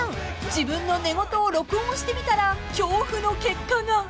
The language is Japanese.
自分の寝言を録音してみたら恐怖の結果が］